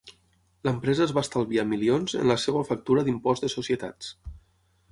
L'empresa es va estalviar milions en la seva factura d'impost de societats.